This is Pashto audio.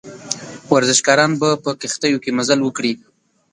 ورزشکاران به په کښتیو کې مزل وکړي.